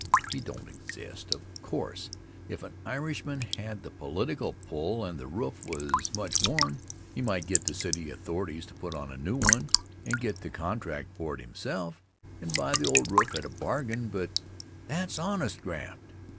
He don't exist. Of course, if an Irishman had the political pull and the roof was much worn, he might get the city authorities to put on a new one and get the contract for it himself, and buy the old roof at a bargain but that's honest graft.